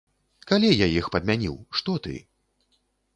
Калі я іх падмяніў, што ты?